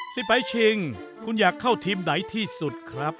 ไปชิงคุณอยากเข้าทีมไหนที่สุดครับ